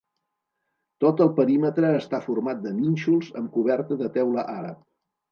Tot el perímetre està format de nínxols amb coberta de teula àrab.